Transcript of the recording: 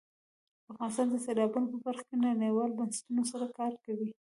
افغانستان د سیلابونه په برخه کې نړیوالو بنسټونو سره کار کوي.